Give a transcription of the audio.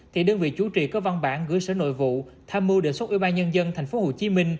thì đơn vị chủ trì có văn bản gửi sở nội vụ tham mưu đề xuất ủy ban nhân dân tp hcm